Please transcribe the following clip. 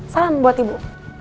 salam buat ibu